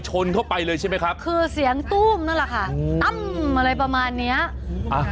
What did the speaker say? ชนเข้าไปเลยใช่ไหมครับคือเสียงตู้มนั่นแหละค่ะอืมตั้มอะไรประมาณเนี้ยอ่ะ